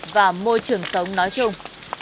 và môi trường sống nói chung